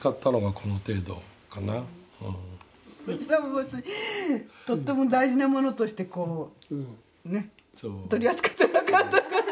こちらも別にとっても大事なものとしてこうねっ取り扱ってなかったから。